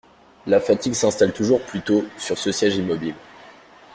La fatigue s’installe toujours plus tôt sur ce siège immobile.